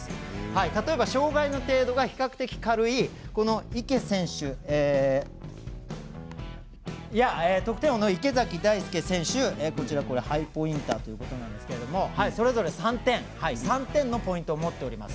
例えば、障がいの程度が比較的軽い池選手や得点王の池崎大輔選手はハイポインターということですがそれぞれ３点のポイントを持っております。